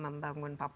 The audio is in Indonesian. membangun papua ini